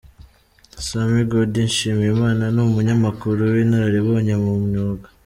Sam Gody Nshimiyimana, ni Umunyamakuru w’inararibonye mu mwuga.